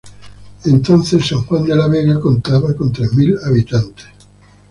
Entonces San Juan de la Vega contaba con tres mil habitantes.